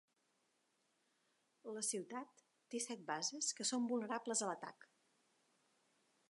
La ciutat té set bases, que són vulnerables a l'atac.